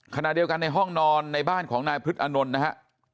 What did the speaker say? ขณะเดียวกันในห้องนอนในบ้านของนายพฤษอานนท์นะฮะ